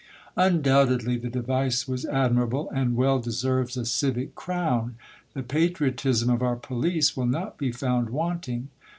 Undoubtedly, the device was admirable, and well deserves a civic crown ; the patriotism of our police will not be found wanting.